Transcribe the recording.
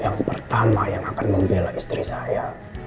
yang pertama yang akan membela istri saya